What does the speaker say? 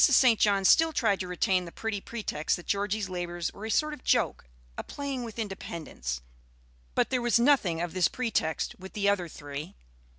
St. John still tried to retain the pretty pretext that Georgie's labors were a sort of joke, a playing with independence; but there was nothing of this pretext with the other three.